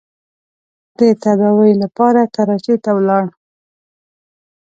د تداوۍ لپاره کراچۍ ته ولاړ.